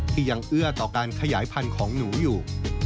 ที่ยังเอื้อต่อการขยายพันธุ์ของหนูอยู่